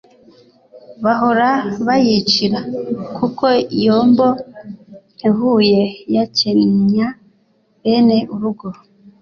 bahora bayicira, kuko yombo ihuye yakenya bene urugo